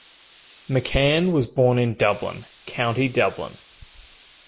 McCann was born in Dublin, County Dublin.